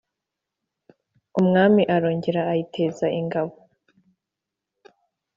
Umwami arongera ayiteza ingabo,